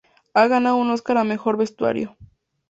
Ha ganado un Oscar a Mejor Vestuario.